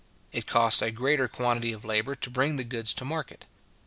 It cost a greater quantity of labour to bring the goods to market.